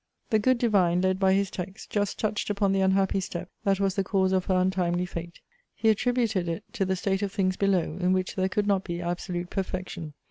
The good divine, led by his text, just touched upon the unhappy step that was the cause of her untimely fate. He attributed it to the state of things below, in which there could not be absolute perfection.